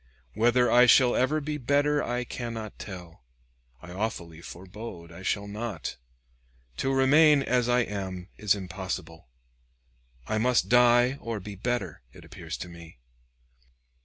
Whether I shall ever be better I cannot tell; I awfully forebode I shall not. To remain as I am is impossible; I must die or be better, it appears to me.